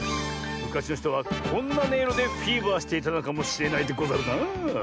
むかしのひとはこんなねいろでフィーバーしていたのかもしれないでござるなあ。